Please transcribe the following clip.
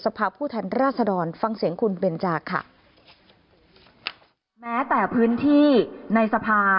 สภาพผู้ทันราษฎรฟังเสียงคุณเบนจาค่ะ